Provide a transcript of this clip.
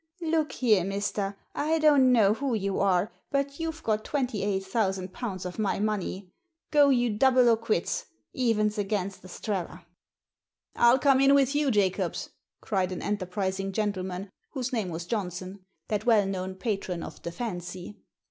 "Look here, mister, I don't know who you are, but you've got twenty eight thousand pounds of my money. Go you double or quits ; evens against Estrella." *'ril come in with you, Jacobs," cried an enter prising gentleman, whose name was Johnson — that well known patron of "the fancy."